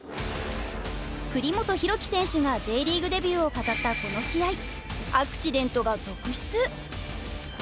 栗本広輝選手がＪリーグデビューを飾ったこの試合アクシデントが続出。